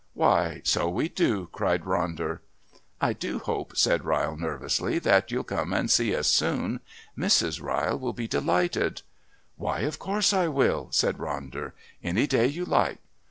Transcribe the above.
"Why, so we do," cried Ronder. "I do hope," said Ryle nervously, "that you'll come and see us soon. Mrs. Ryle will be delighted...." "Why, of course I will," said Ronder. "Any day you like.